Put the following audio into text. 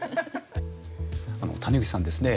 谷口さんですね